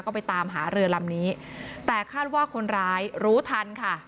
ก็ไปตามหาเรือลำนี้แต่คาดว่าคนร้ายรู้ทันค่ะ